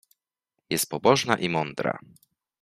Jest pobożna i mądra.